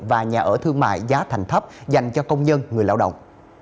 và nhà ở thương mại giá thành thấp dành cho công nhân người lao động